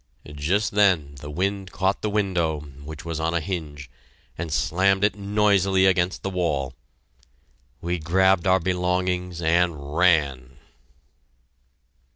Just then the wind caught the window, which was on a hinge, and slammed it noisily against the wall. We grabbed our belongings, and ran!